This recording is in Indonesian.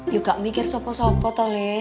yuk enggak mikir sopo sopo toleh